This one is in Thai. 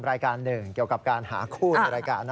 รายการหนึ่งเกี่ยวกับการหาคู่ในรายการ